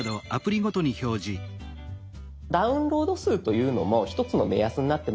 「ダウンロード数」というのも一つの目安になってまいります。